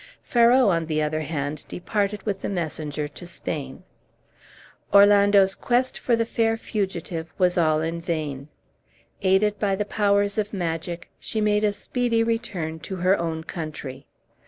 Ferrau, on the other hand, departed with the messenger to Spain. Orlando's quest for the fair fugitive was all in vain. Aided by the powers of magic, she made a speedy return to her own country.